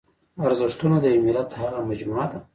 ارزښتونه د یوه ملت هغه مجموعه ده.